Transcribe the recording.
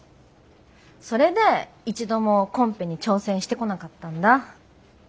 それで一度もコンペに挑戦してこなかったんだ。